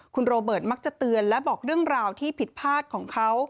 คุณโรเบิร์ตมักจะเตือนและบอกเรื่องราวที่ผิดพลาดของเขา